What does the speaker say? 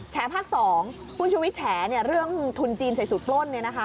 แชร์ภาค๒คุณชูวิทย์แชร์เรื่องทุนจีนใส่สูตรปล้น